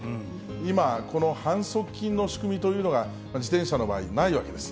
今、この反則金の仕組みというのが、自転車の場合、ないわけです。